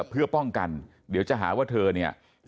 เพื่อป้องกันเดี๋ยวจะหาว่าเธอเนี่ย